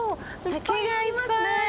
竹がありますね。